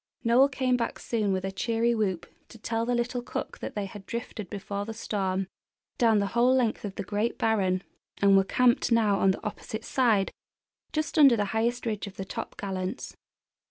Noel came back soon with a cheery whoop to tell the little cook that they had drifted before the storm down the whole length of the great barren, and were camped now on the opposite side, just under the highest ridge of the Top Gallants.